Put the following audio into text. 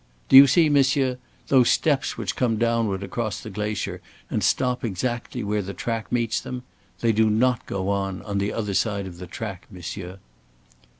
"Do you see, monsieur? Those steps which come downward across the glacier and stop exactly where the track meets them? They do not go on, on the other side of the track, monsieur."